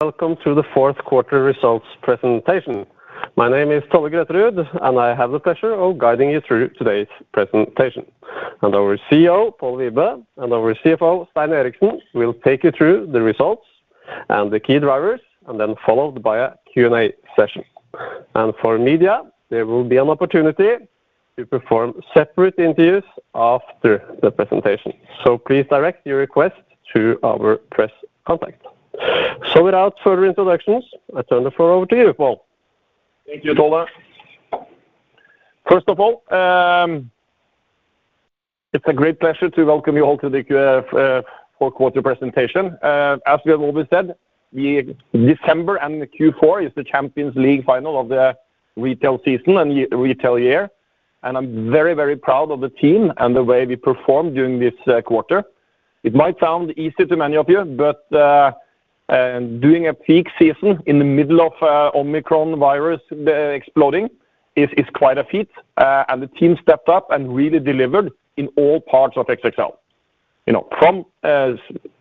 Welcome to the fourth quarter results presentation. My name is Tolle Grøterud, and I have the pleasure of guiding you through today's presentation. Our CEO, Pål Wibe, and our CFO, Stein Eriksen, will take you through the results and the key drivers and then followed by a Q&A session. For media, there will be an opportunity to perform separate interviews after the presentation. Please direct your request to our press contact. Without further introductions, I turn the floor over to you, Pål. Thank you, Tolle. First of all, it's a great pleasure to welcome you all to the fourth quarter presentation. As we have always said, the December and the Q4 is the Champions League final of the retail season and retail year. I'm very, very proud of the team and the way we performed during this quarter. It might sound easy to many of you, but doing a peak season in the middle of Omicron virus exploding is quite a feat. The team stepped up and really delivered in all parts of XXL. You know, from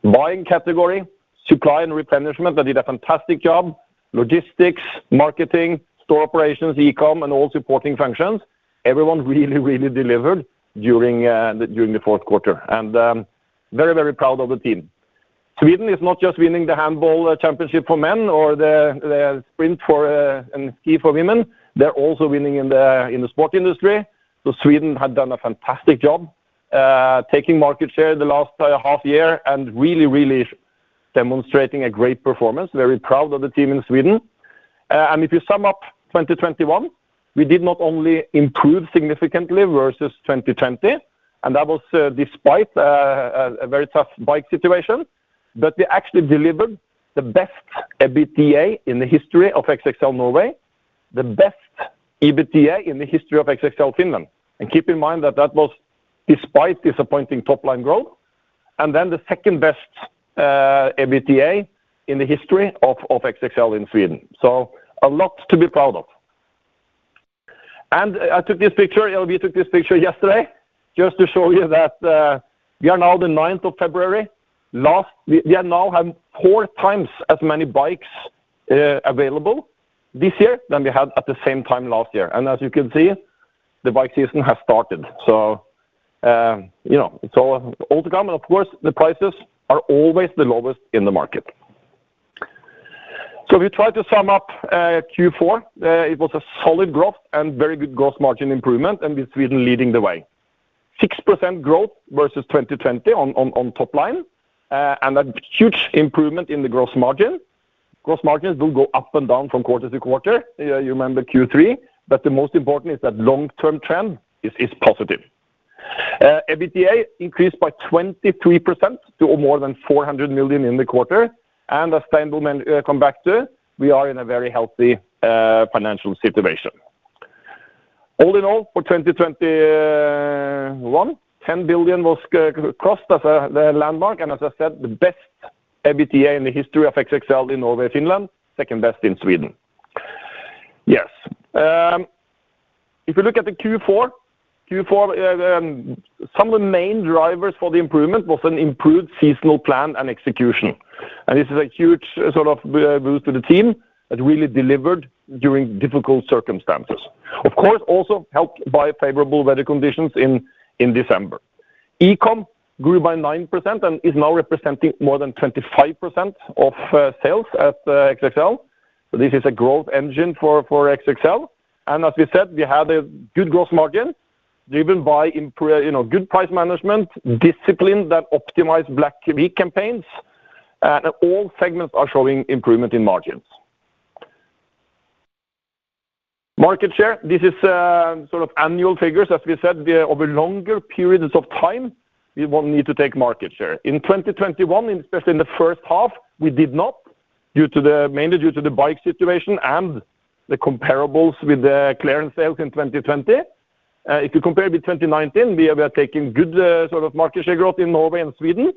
buying category, supply and replenishment, they did a fantastic job. Logistics, marketing, store operations, e-com, and all supporting functions, everyone really, really delivered during the fourth quarter. Very, very proud of the team. Sweden is not just winning the handball championship for men or the sprint and ski for women, they're also winning in the sport industry. Sweden had done a fantastic job taking market share the last half year and really demonstrating a great performance. Very proud of the team in Sweden. If you sum up 2021, we did not only improve significantly versus 2020, and that was despite a very tough bike situation, but we actually delivered the best EBITDA in the history of XXL Norway, the best EBITDA in the history of XXL Finland. Keep in mind that that was despite disappointing top-line growth and then the second best EBITDA in the history of XXL in Sweden. A lot to be proud of. I took this picture, Elvie took this picture yesterday just to show you that we are now the 9th of February. We now have 4x as many bikes available this year than we had at the same time last year. As you can see, the bike season has started. You know, it's all to come. Of course, the prices are always the lowest in the market. If you try to sum up Q4, it was a solid growth and very good gross margin improvement, and with Sweden leading the way. 6% growth versus 2020 on top line and a huge improvement in the gross margin. Gross margins will go up and down from quarter to quarter, you remember Q3, but the most important is that long-term trend is positive. EBITDA increased by 23% to more than 400 million in the quarter, and as Stein will come back to, we are in a very healthy financial situation. All in all, for 2021, 10 billion was crossed as a landmark, and as I said, the best EBITDA in the history of XXL in Norway, Finland, second best in Sweden. Yes. If you look at the Q4, some of the main drivers for the improvement was an improved seasonal plan and execution. This is a huge sort of boost to the team that really delivered during difficult circumstances. Of course, also helped by favorable weather conditions in December. E-com grew by 9% and is now representing more than 25% of sales at XXL. This is a growth engine for XXL. We have a good gross margin driven by you know, good price management, discipline that optimize Black Week campaigns, and all segments are showing improvement in margins. Market share, this is sort of annual figures. We said, we are over longer periods of time, we won't need to take market share. In 2021, especially in the first half, we did not due to the mainly due to the bike situation and the comparables with the clearance sales in 2020. If you compare with 2019, we are taking good sort of market share growth in Norway and Sweden.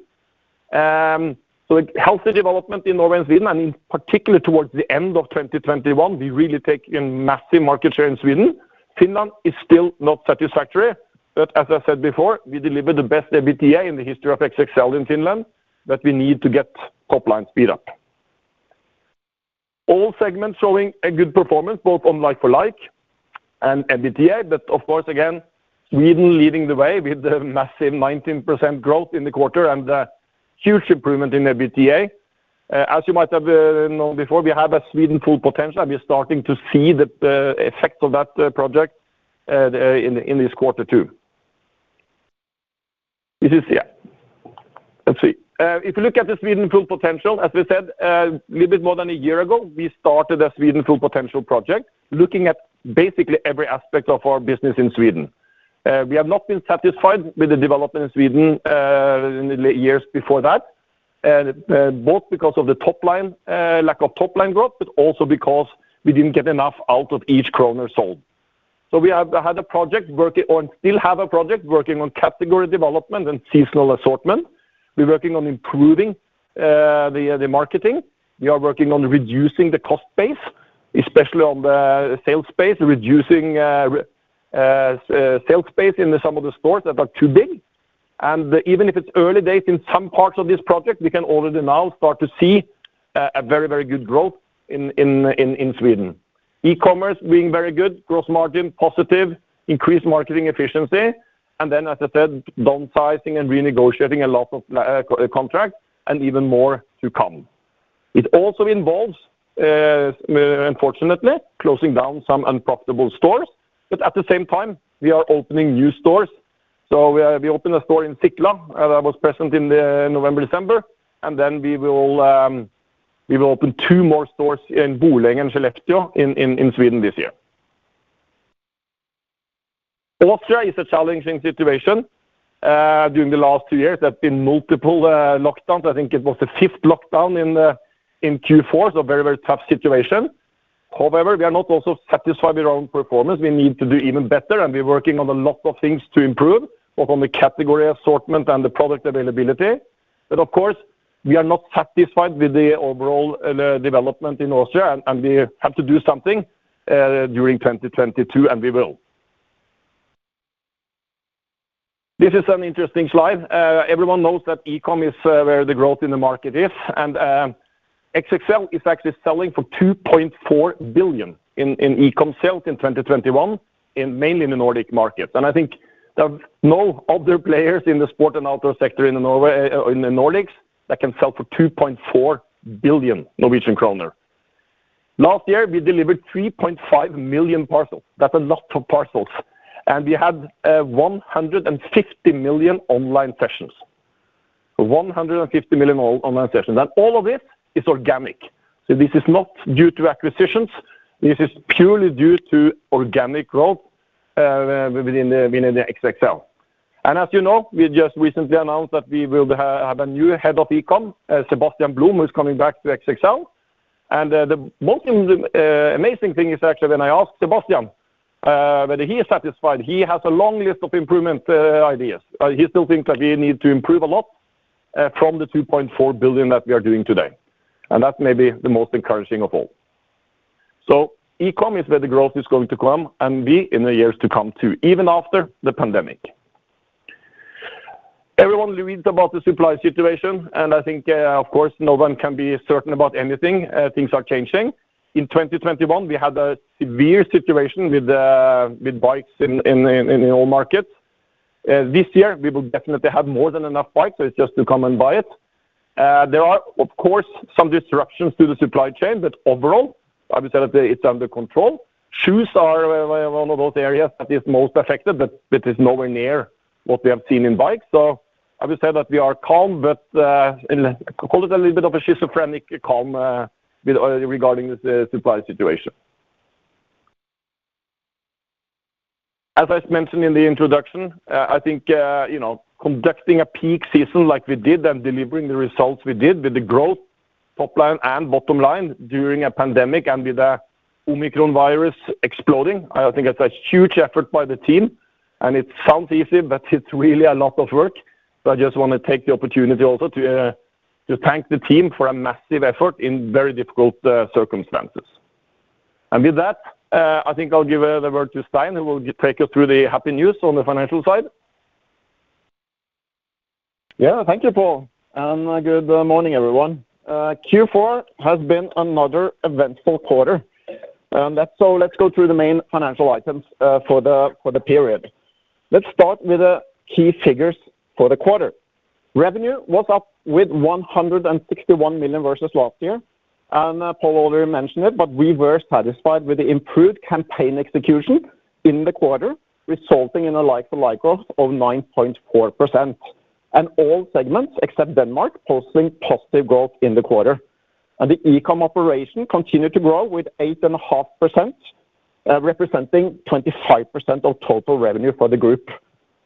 Healthy development in Norway and Sweden, and particularly towards the end of 2021, we really take in massive market share in Sweden. Finland is still not satisfactory. As I said before, we delivered the best EBITDA in the history of XXL in Finland, but we need to get top line speed up. All segments showing a good performance, both on like-for-like and EBITDA. Of course, again, Sweden leading the way with the massive 19% growth in the quarter and a huge improvement in EBITDA. As you might have known before, we have a Sweden Full Potential, and we're starting to see the effect of that project in this quarter too. If you look at the Sweden Full Potential, as we said, a little bit more than a year ago, we started a Sweden Full Potential project looking at basically every aspect of our business in Sweden. We have not been satisfied with the development in Sweden in the years before that, both because of the top line, lack of top-line growth, but also because we didn't get enough out of each kroner sold. We still have a project working on category development and seasonal assortment. We're working on improving the marketing. We are working on reducing the cost base, especially on the sales base, reducing sales base in some of the stores that are too big. Even if it's early days in some parts of this project, we can already now start to see a very good growth in Sweden. E-commerce being very good, gross margin positive, increased marketing efficiency, and then as I said, downsizing and renegotiating a lot of contracts and even more to come. It also involves unfortunately closing down some unprofitable stores, but at the same time, we are opening new stores. We opened a store in Sickla that was present in the November, December, and then we will open two more stores in Borlänge and Skellefteå in Sweden this year. Austria is a challenging situation. During the last two years, there have been multiple lockdowns. I think it was the fifth lockdown in Q4, so very, very tough situation. However, we are not also satisfied with our own performance. We need to do even better, and we're working on a lot of things to improve, both on the category assortment and the product availability. Of course, we are not satisfied with the overall development in Austria, and we have to do something during 2022, and we will. This is an interesting slide. Everyone knows that e-com is where the growth in the market is, and XXL is actually selling for 2.4 billion in e-com sales in 2021 mainly in the Nordic market. I think there are no other players in the sport and outdoor sector in the Nordics that can sell for 2.4 billion Norwegian kroner. Last year, we delivered 3.5 million parcels. That's a lot of parcels. We had 150 million online sessions. All of this is organic. This is not due to acquisitions. This is purely due to organic growth within the XXL. As you know, we just recently announced that we will have a new head of e-com, Sebastian Blom, who's coming back to XXL. The most amazing thing is actually when I asked Sebastian whether he is satisfied, he has a long list of improvement ideas. He still thinks that we need to improve a lot from the 2.4 billion that we are doing today. That may be the most encouraging of all. E-com is where the growth is going to come and be in the years to come too, even after the pandemic. Everyone reads about the supply situation, and I think, of course, no one can be certain about anything, things are changing. In 2021, we had a severe situation with bikes in all markets. This year, we will definitely have more than enough bikes, so it's just to come and buy it. There are of course, some disruptions to the supply chain, but overall, I would say that it's under control. Shoes are one of those areas that is most affected, but it is nowhere near what we have seen in bikes. I would say that we are calm, but call it a little bit of a schizophrenic calm with regard to the supply situation. As I mentioned in the introduction, I think, you know, conducting a peak season like we did and delivering the results we did with the growth top line and bottom line during a pandemic and with the Omicron virus exploding, I think it's a huge effort by the team, and it sounds easy, but it's really a lot of work. I just wanna take the opportunity also to thank the team for a massive effort in very difficult circumstances. With that, I think I'll give the word to Stein, who will take you through the happy news on the financial side. Yeah. Thank you, Pål. Good morning, everyone. Q4 has been another eventful quarter. Let's go through the main financial items for the period. Let's start with the key figures for the quarter. Revenue was up with 161 million versus last year. Pål already mentioned it, but we were satisfied with the improved campaign execution in the quarter, resulting in a like-for-like growth of 9.4%. All segments, except Austria, posting positive growth in the quarter. The e-com operation continued to grow with 8.5%, representing 25% of total revenue for the group.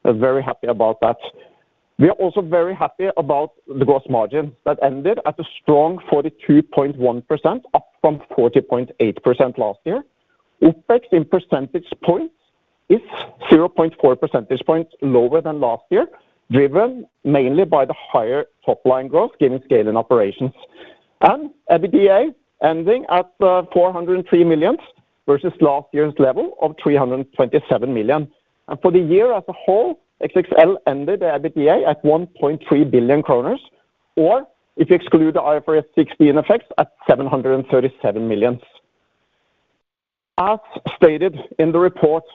I'm very happy about that. We are also very happy about the gross margin that ended at a strong 42.1%, up from 40.8% last year. OpEx in percentage points is 0.4 percentage points lower than last year, driven mainly by the higher top line growth given scale and operations. EBITDA ending at 403 million, versus last year's level of 327 million. For the year as a whole, XXL ended the EBITDA at 1.3 billion kroner. If you exclude the IFRS 16 effects at 737 million. As stated in the reports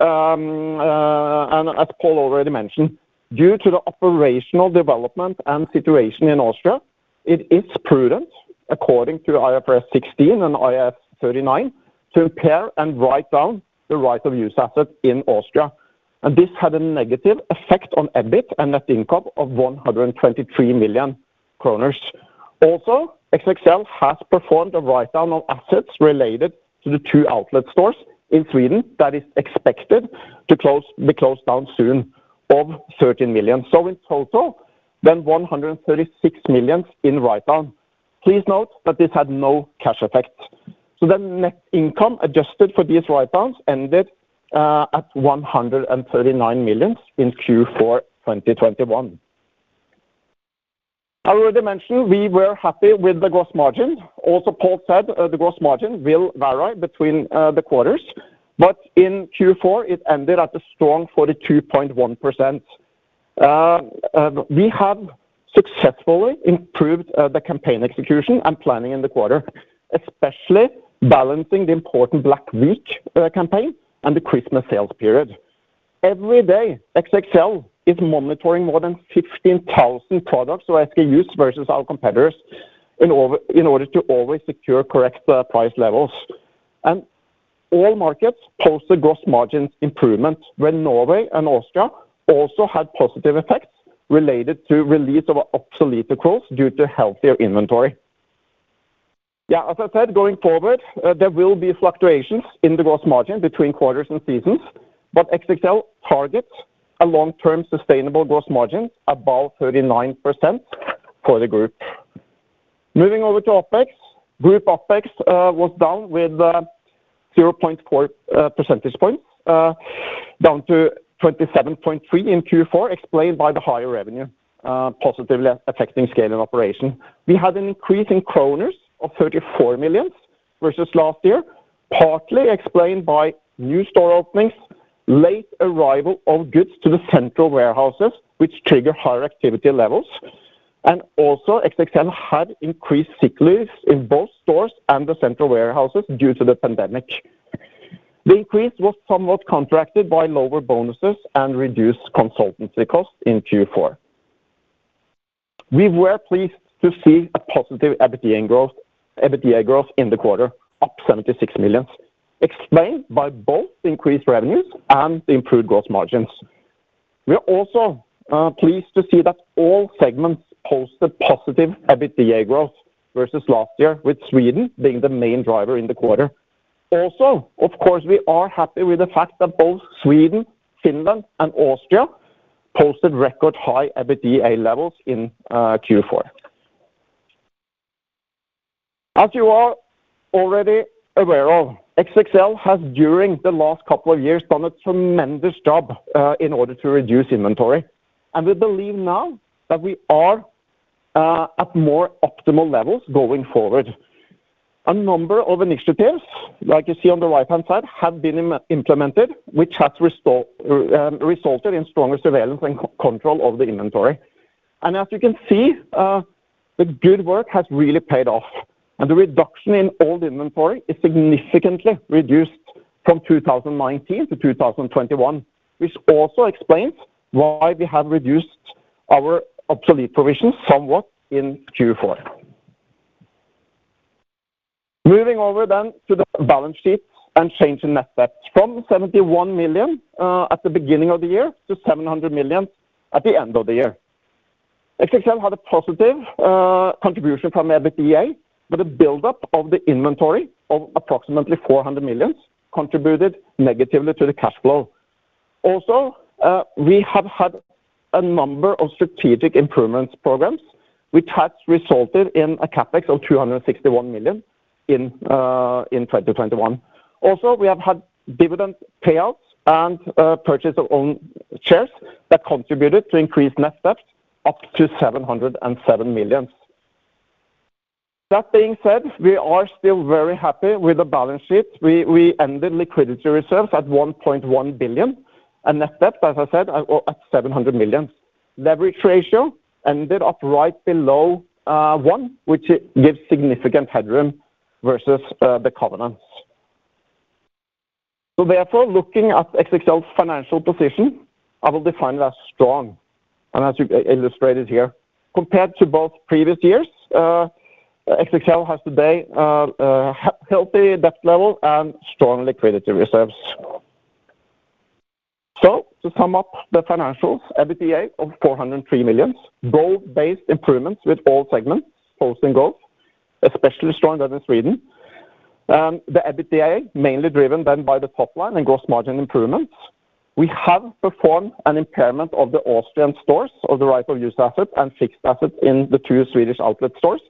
and as Paul already mentioned, due to the operational development and situation in Austria, it is prudent, according to IFRS 16 and IAS 39, to impair and write down the right of use assets in Austria. This had a negative effect on EBIT and net income of 123 million kroner. XXL has performed a write-down on assets related to the two outlet stores in Sweden that is expected to be closed down soon of 13 million. In total, then 136 million in write-down. Please note that this had no cash effect. The net income adjusted for these write-downs ended at 139 million in Q4 2021. I already mentioned we were happy with the gross margin. Pål Wibe said the gross margin will vary between the quarters, but in Q4, it ended at a strong 42.1%. We have successfully improved the campaign execution and planning in the quarter, especially balancing the important Black Week campaign and the Christmas sales period. Every day, XXL is monitoring more than 15,000 products or SKUs versus our competitors in order to always secure correct price levels. All markets posted a gross margin improvement, where Norway and Austria also had positive effects related to release of obsolete accruals due to healthier inventory. Yeah, as I said, going forward, there will be fluctuations in the gross margin between quarters and seasons, but XXL targets a long-term sustainable gross margin above 39% for the group. Moving over to OpEx. Group OpEx was down with 0.4 percentage points down to 27.3% in Q4, explained by the higher revenue positively affecting scale and operation. We had an increase in 34 million kroner versus last year, partly explained by new store openings, late arrival of goods to the central warehouses, which trigger higher activity levels, and also XXL had increased sick leave in both stores and the central warehouses due to the pandemic. The increase was somewhat counteracted by lower bonuses and reduced consultancy costs in Q4. We were pleased to see a positive EBITDA growth, EBITDA growth in the quarter, up 76 million, explained by both increased revenues and the improved gross margins. We are also pleased to see that all segments posted positive EBITDA growth versus last year, with Sweden being the main driver in the quarter. Also, of course, we are happy with the fact that both Sweden, Finland, and Austria posted record high EBITDA levels in Q4. As you are already aware of, XXL has during the last couple of years done a tremendous job in order to reduce inventory, and we believe now that we are at more optimal levels going forward. A number of initiatives, like you see on the right-hand side, have been implemented, which has resulted in stronger surveillance and control of the inventory. As you can see, the good work has really paid off. The reduction in old inventory is significantly reduced from 2019-2021, which also explains why we have reduced our obsolete provisions somewhat in Q4. Moving over to the balance sheet and change in net debt from 71 million at the beginning of the year to 700 million at the end of the year. XXL had a positive contribution from EBITDA, but the buildup of the inventory of approximately 400 million contributed negatively to the cash flow. We have had a number of strategic improvements programs which has resulted in a CapEx of 261 million in 2021. We have had dividend payouts and purchase of own shares that contributed to increased net debt up to 707 million. That being said, we are still very happy with the balance sheet. We ended liquidity reserves at 1.1 billion and net debt, as I said, at 700 million. Leverage ratio ended up right below 1 which gives significant headroom versus the covenants. Therefore, looking at XXL's financial position, I will define that strong. As you illustrated here, compared to both previous years, XXL has today a healthy debt level and strong liquidity reserves. To sum up the financials, EBITDA of 403 million, both base improvements with all segments posting growth, especially strong growth in Sweden. The EBITDA mainly driven then by the top line and gross margin improvements. We have performed an impairment of the Austrian stores of the right of use assets and fixed assets in the two Swedish outlet stores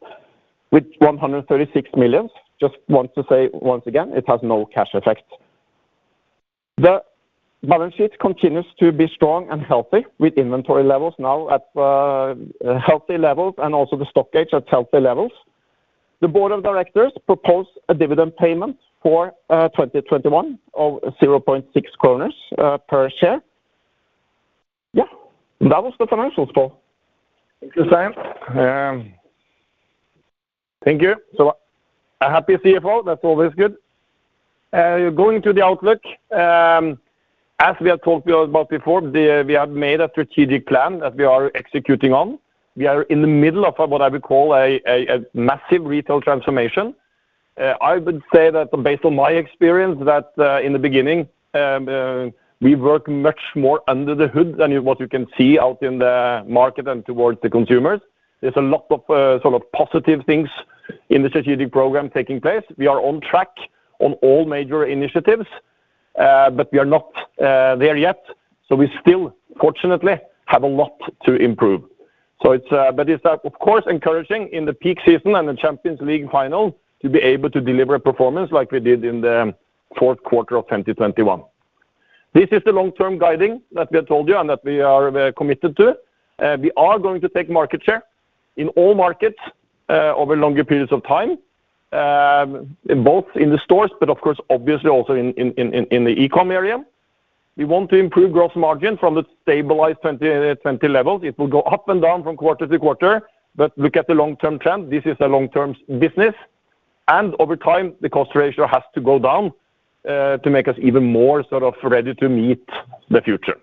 with 136 million. Just want to say, once again, it has no cash effect. The balance sheet continues to be strong and healthy with inventory levels now at healthy levels and also the stock gauge at healthy levels. The board of directors propose a dividend payment for 2021 of 0.6 kroner per share. Yeah, that was the financials, Pål. Thank you, Stein. Thank you. A happy CFO, that's always good. Going to the outlook. As we have talked about before, we have made a strategic plan that we are executing on. We are in the middle of what I would call a massive retail transformation. I would say that based on my experience that, in the beginning, we work much more under the hood than what you can see out in the market and towards the consumers. There's a lot of sort of positive things in the strategic program taking place. We are on track on all major initiatives, but we are not there yet. We still, fortunately, have a lot to improve. It's of course encouraging in the peak season and the Champions League final to be able to deliver a performance like we did in the fourth quarter of 2021. This is the long-term guiding that we have told you and that we are committed to it. We are going to take market share in all markets over longer periods of time in both the stores, but of course obviously also in the e-com area. We want to improve gross margin from the stabilized 2020 levels. It will go up and down from quarter to quarter, but look at the long-term trend. This is a long-term business, and over time the cost ratio has to go down to make us even more sort of ready to meet the future.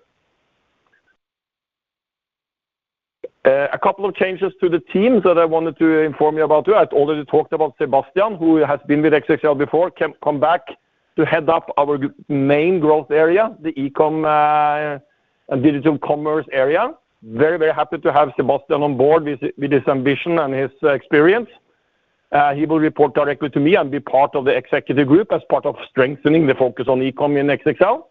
A couple of changes to the teams that I wanted to inform you about too. I'd already talked about Sebastian, who has been with XXL before, come back to head up our main growth area, the e-com, digital commerce area. Very happy to have Sebastian on board with his ambition and his experience. He will report directly to me and be part of the executive group as part of strengthening the focus on e-com in XXL.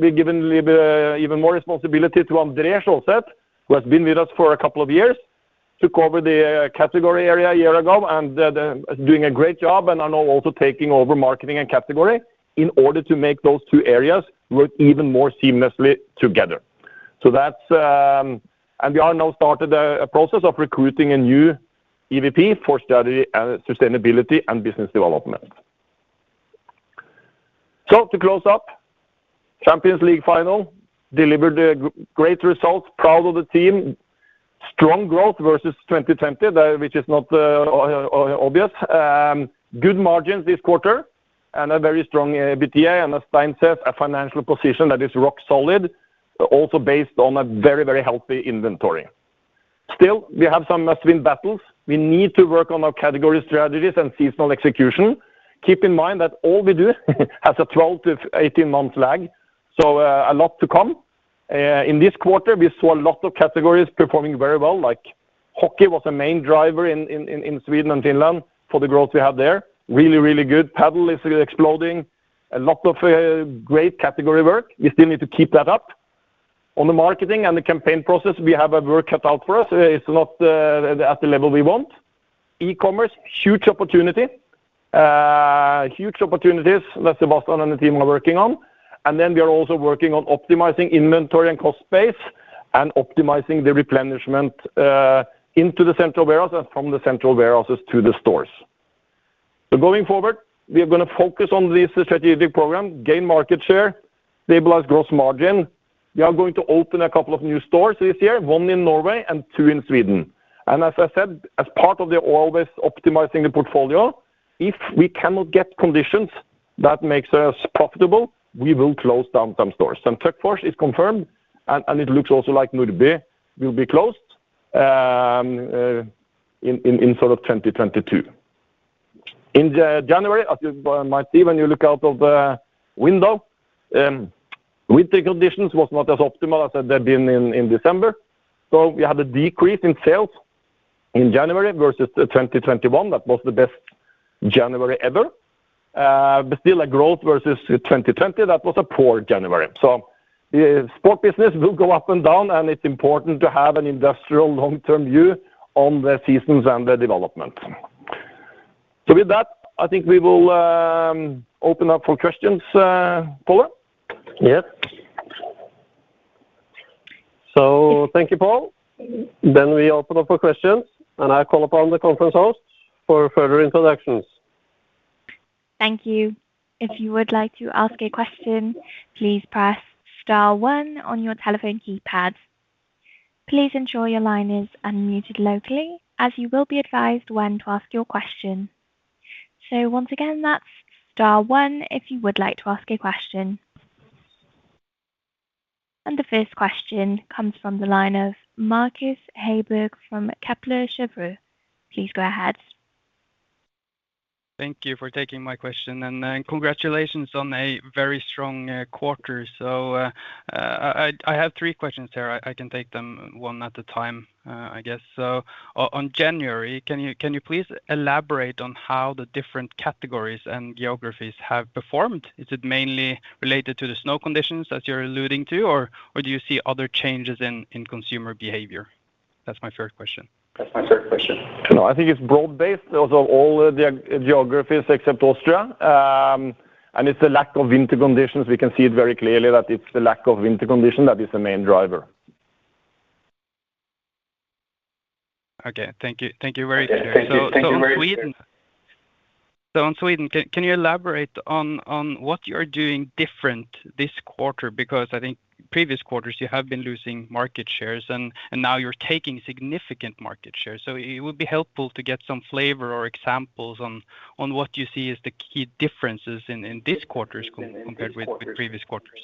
We've given even more responsibility to Andre Sjåsæt who has been with us for a couple of years, took over the category area a year ago and then doing a great job and are now also taking over marketing and category in order to make those two areas work even more seamlessly together. We are now started a process of recruiting a new EVP for strategy and sustainability and business development. To close up, Champions League final delivered a great result. Proud of the team. Strong growth versus 2020, which is not obvious. Good margins this quarter and a very strong EBITDA, and as Stein said, a financial position that is rock solid, but also based on a very healthy inventory. Still, we have some must-win battles. We need to work on our category strategies and seasonal execution. Keep in mind that all we do has a 12-18-month lag, so a lot to come. In this quarter, we saw a lot of categories performing very well, like hockey was a main driver in Sweden and Finland for the growth we have there. Really good. Padel is exploding. A lot of great category work. We still need to keep that up. On the marketing and the campaign process, we have our work cut out for us. It's not the level we want. E-commerce, huge opportunity. Huge opportunities that Sebastian and the team are working on. Then we are also working on optimizing inventory and cost base and optimizing the replenishment into the central warehouse and from the central warehouses to the stores. Going forward, we are gonna focus on the strategic program, gain market share, stabilize gross margin. We are going to open a couple of new stores this year, one in Norway and two in Sweden. As I said, as part of the always optimizing the portfolio, if we cannot get conditions that makes us profitable, we will close down some stores. Töcksfors is confirmed, and it looks also like Nordby will be closed in sort of 2022. In January, as you might see when you look out of the window, with the conditions was not as optimal as they've been in December. We had a decrease in sales in January versus the 2021. That was the best January ever. still a growth versus 2020, that was a poor January. Sport business will go up and down, and it's important to have an industrial long-term view on the seasons and the development. With that, I think we will open up for questions, Tolle. Yes. Thank you, Pål. We open up for questions, and I call upon the conference hosts for further introductions. Thank you. If you would like to ask a question, please press star one on your telephone keypad. Please ensure your line is unmuted locally as you will be advised when to ask your question. Once again, that's star one if you would like to ask a question. The first question comes from the line of Markus Heiberg from Kepler Cheuvreux. Please go ahead. Thank you for taking my question, and then congratulations on a very strong quarter. I have three questions here. I can take them one at a time, I guess. On January, can you please elaborate on how the different categories and geographies have performed? Is it mainly related to the snow conditions as you're alluding to, or do you see other changes in consumer behavior? That's my first question. No, I think it's broad-based. Those are all the geographies except Austria. It's a lack of winter conditions. We can see it very clearly that it's the lack of winter condition that is the main driver. Okay. Thank you. Thank you very much. On Sweden, can you elaborate on what you're doing different this quarter? Because I think previous quarters you have been losing market shares and now you're taking significant market share. It would be helpful to get some flavor or examples on what you see as the key differences in this quarter's compared with the previous quarters?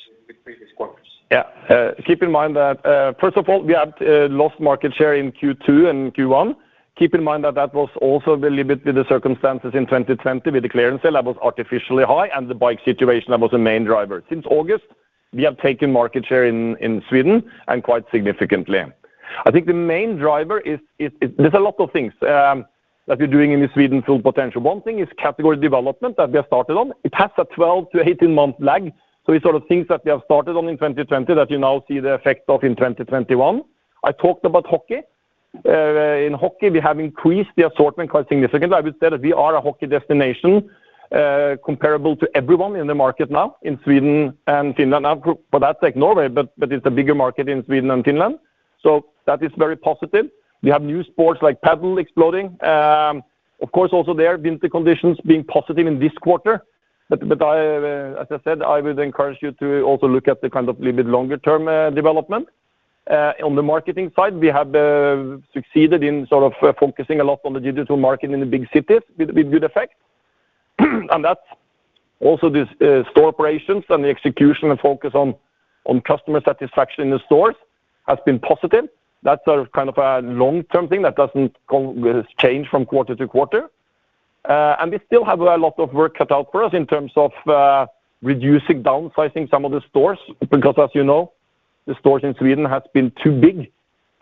Yeah. Keep in mind that, first of all, we had lost market share in Q2 and Q1. Keep in mind that was also a little bit with the circumstances in 2020 with the clearance sale that was artificially high and the bike situation that was the main driver. Since August, we have taken market share in Sweden and quite significantly. I think the main driver is there's a lot of things that we're doing in the Sweden Full Potential. One thing is category development that we have started on. It has a 12-18-month lag. It's sort of things that we have started on in 2020 that you now see the effect of in 2021. I talked about hockey. In hockey we have increased the assortment quite significantly. I would say that we are a hockey destination, comparable to everyone in the market now in Sweden and Finland. Now, forget Norway, but it's a bigger market in Sweden and Finland. That is very positive. We have new sports like Padel exploding. Of course, also there winter conditions being positive in this quarter. But I, as I said, I would encourage you to also look at the kind of little bit longer term development. On the marketing side, we have succeeded in sort of focusing a lot on the digital market in the big cities with good effect. And that's also the store operations and the execution and focus on customer satisfaction in the stores has been positive. That's a kind of a long-term thing that doesn't go with change from quarter to quarter. We still have a lot of work cut out for us in terms of reducing, downsizing some of the stores, because as you know, the stores in Sweden has been too big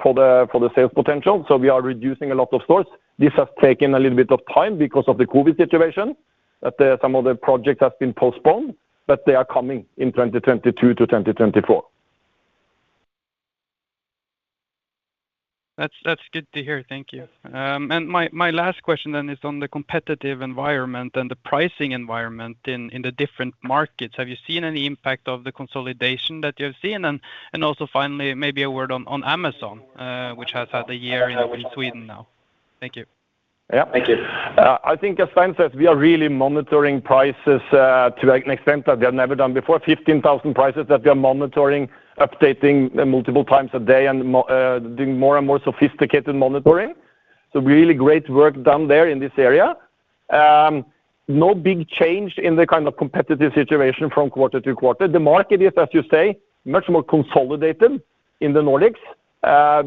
for the sales potential, so we are reducing a lot of stores. This has taken a little bit of time because of the COVID situation, that some of the projects have been postponed, but they are coming in 2022-2024. That's good to hear. Thank you. My last question then is on the competitive environment and the pricing environment in the different markets. Have you seen any impact of the consolidation that you've seen? Also finally, maybe a word on Amazon, which has had a year in Sweden now. Thank you. Yeah. Thank you. I think as Stein said, we are really monitoring prices to an extent that we have never done before. 15,000 prices that we are monitoring, updating them multiple times a day and doing more and more sophisticated monitoring. Really great work done there in this area. No big change in the kind of competitive situation from quarter to quarter. The market is, as you say, much more consolidated in the Nordics,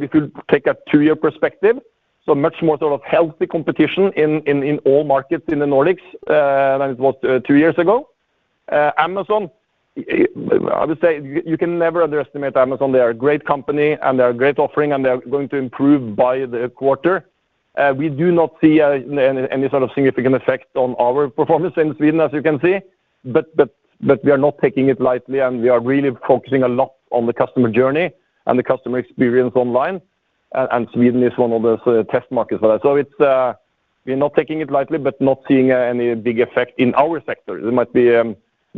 if you take a two-year perspective. Much more sort of healthy competition in all markets in the Nordics than it was two years ago. Amazon, I would say you can never underestimate Amazon. They are a great company and they are a great offering, and they are going to improve by the quarter. We do not see any sort of significant effect on our performance in Sweden, as you can see. We are not taking it lightly, and we are really focusing a lot on the customer journey and the customer experience online. Sweden is one of the test markets for that. We're not taking it lightly, but not seeing any big effect in our sector. It might be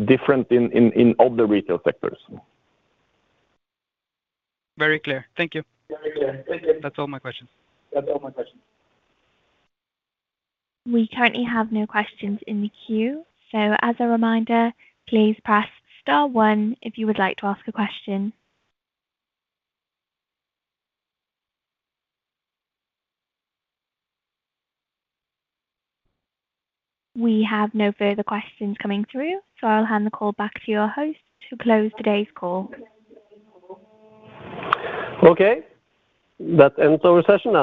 different in other retail sectors. Very clear. Thank you. That's all my questions. We currently have no questions in the queue. As a reminder, please press star one if you would like to ask a question. We have no further questions coming through, so I'll hand the call back to your host to close today's call. Okay. That ends our session.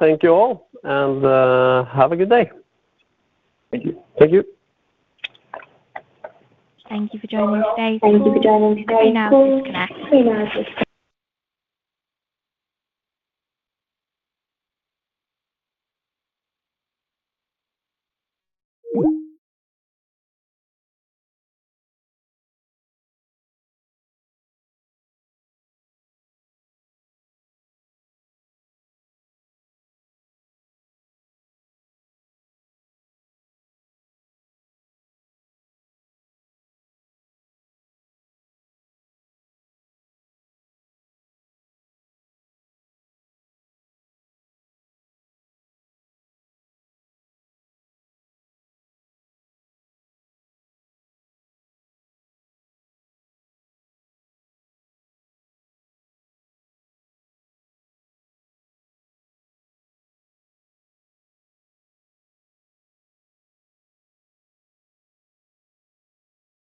Thank you all, and have a good day. Thank you. Thank you. Thank you for joining today's call. You may now disconnect.